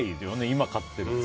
今、買ってるって。